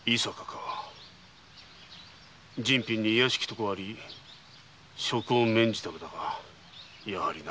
人品に卑しきところがあり職を免じたのだがやはりな。